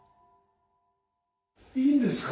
いいんですか？